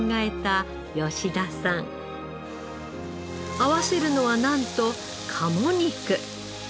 合わせるのはなんと鴨肉。